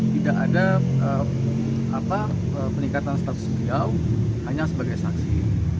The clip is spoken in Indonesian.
tidak ada peningkatan status beliau hanya sebagai saksi